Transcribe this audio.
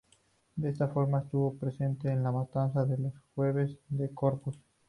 De esta forma estuvo presente en la matanza del Jueves de Corpus.